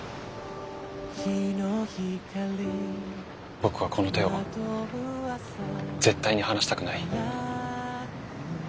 僕はこの手を絶対に離したくない。